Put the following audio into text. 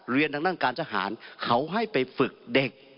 เรียนดังนั่งการสหารเขาให้ไปฝึกเด็ก